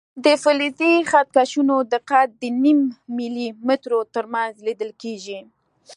د فلزي خط کشونو دقت د نیم ملي مترو تر منځ لیدل کېږي.